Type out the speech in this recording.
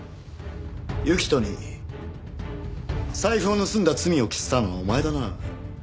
行人に財布を盗んだ罪を着せたのはお前だな？